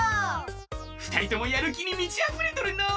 ふたりともやるきにみちあふれとるのう。